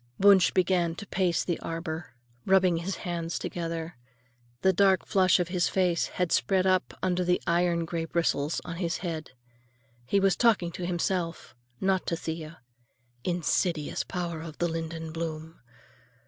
Wunsch began to pace the arbor, rubbing his hands together. The dark flush of his face had spread up under the iron gray bristles on his head. He was talking to himself, not to Thea. Insidious power of the linden bloom!